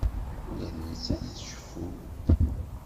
Ula d nettat tceffu.